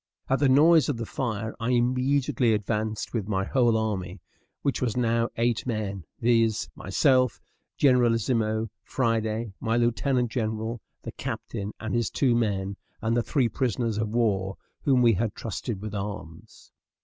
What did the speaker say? At the noise of the fire I immediately advanced with my whole army, which was now eight men, viz., myself, generalissimo; Friday, my lieutenant general; the captain and his two men, and the three prisoners of war whom we had trusted with arms.